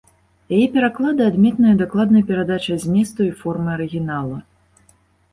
Яе пераклады адметныя дакладнай перадачай зместу і формы арыгінала.